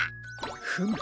フム！